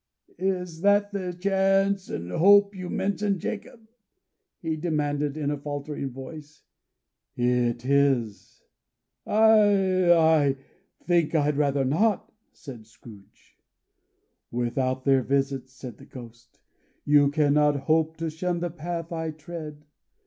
"Is that the chance and hope you mentioned. Jacob?" he demanded, in a faltering voice. "It is." "I I think I'd rather not," said Scrooge. "Without their visits," said the Ghost, "you cannot hope to shun the path I tread.